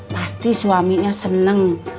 pasti suaminya seneng